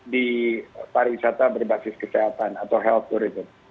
di para wisata berbasis kesehatan atau health tourism